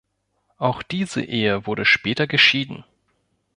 Auch diese Ehe wurde später geschieden.